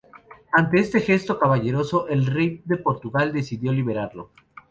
Ante este gesto caballeresco, el rey de Portugal decidió liberarlo.